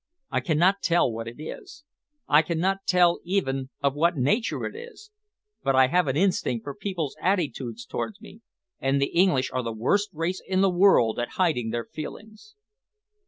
I cannot tell what it is. I cannot tell even of what nature it is, but I have an instinct for people's attitude towards me, and the English are the worst race in the world at hiding their feelings.